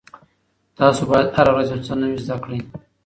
تاسو باید هره ورځ یو څه نوي زده کړئ.